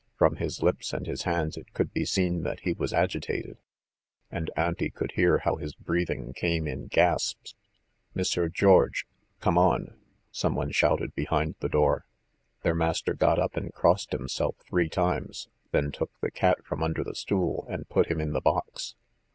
From his lips and his hands it could be seen that he was agitated, and Auntie could hear how his breathing came in gasps. "Monsieur George, come on!" someone shouted behind the door. Their master got up and crossed himself three times, then took the cat from under the stool and put him in the box.